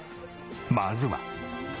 まずは。